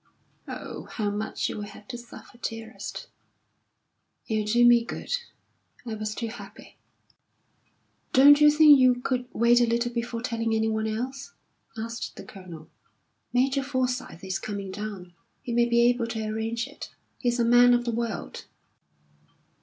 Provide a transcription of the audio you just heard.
"Oh, how much you will have to suffer, dearest!" "It'll do me good. I was too happy." "Don't you think you could wait a little before telling anyone else?" asked the Colonel. "Major Forsyth is coming down. He may be able to arrange it; he's a man of the world."